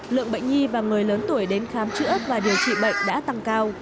lượng bệnh nhi và người lớn tuổi đến khám chữa và điều trị bệnh đã tăng cao